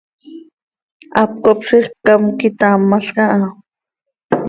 Hap cop ziix ccam quitaamalca ha.